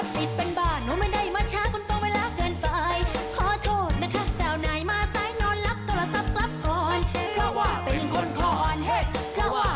เฮ้ลาลาลาตังหวงลาลา